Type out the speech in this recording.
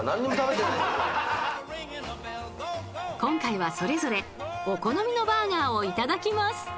今回はそれぞれお好みのバーガーをいただきます。